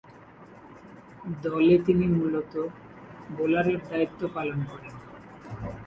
দলে তিনি মূলতঃ বোলারের দায়িত্ব পালন করেন।